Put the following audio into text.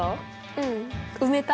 うん埋めた。